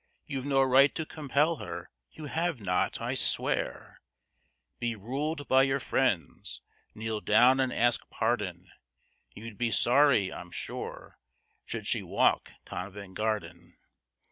You've no right to compel her, you have not, I swear; Be ruled by your friends, kneel down and ask pardon, You'd be sorry, I'm sure, should she walk Covent Garden."